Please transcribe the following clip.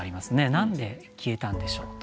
何で消えたんでしょうと。